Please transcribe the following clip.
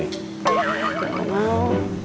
eh gak mau